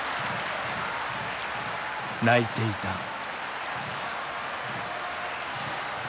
泣いていた。